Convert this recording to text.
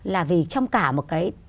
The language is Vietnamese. là vì trong cả một cái